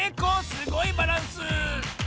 すごいバランス！